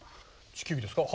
地球儀ですか？